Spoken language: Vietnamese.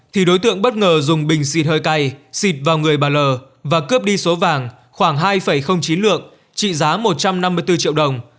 thì đối tượng bất ngờ dùng bình xịt hơi cay xịt vào người bà l và cướp đi số vàng khoảng hai chín lượng trị giá một trăm năm mươi bốn triệu đồng